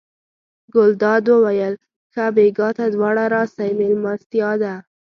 ګلداد وویل ښه بېګا ته دواړه راسئ مېلمستیا ده.